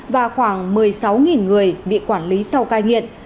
và khoảng một mươi sáu người bị quản lý sau cai nghiện